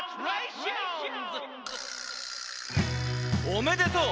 おめでとう！